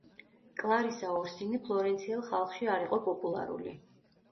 კლარისა ორსინი ფლორენციელ ხალხში არ იყო პოპულარული.